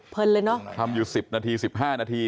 เลยเนอะทำอยู่๑๐นาที๑๕นาที